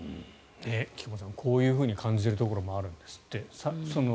菊間さん、こういうふうに感じている部分もあるんですって。